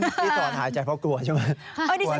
ที่ถอนหายใจเพราะกลัวใช่ไหม